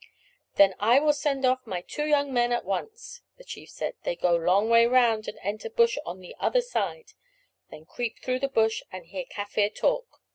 "Then I will send off my two young men at once," the chief said. "They go a long way round, and enter bush on the other side; then creep through the bush and hear Kaffir talk.